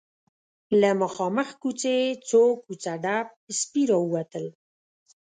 له مخامخ کوڅې څو کوڅه ډب سپي راووتل.